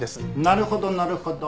なるほどなるほど。